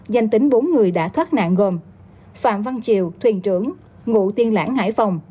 danh tính bốn người đã thoát nạn gồm phạm văn triều thuyền trưởng ngụ tiên lãng hải phòng